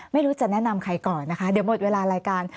ไม่รู้จะแนะนำใครก่อนนะคะเดี๋ยวหมดเวลารายการ